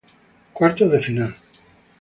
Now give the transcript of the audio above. Cuartos de final